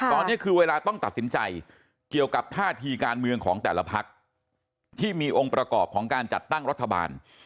ตอนนี้คือเวลาต้องตัดสินใจเกี่ยวกับท่าทีการเมืองของแต่ละพักที่มีองค์ประกอบของการจัดตั้งรัฐบาล